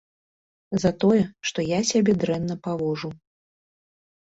За тое, што я сябе дрэнна паводжу.